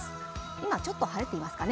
今ちょっと晴れていますかね。